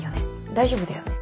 大丈夫だよね？